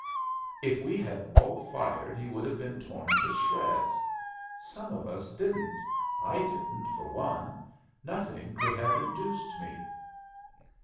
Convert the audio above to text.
If we had all fired he would have been torn to shreds. Some of us didn't. I didn't, for one; nothing could have induced me."